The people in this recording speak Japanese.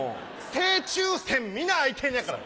正中線皆空いてんねやから。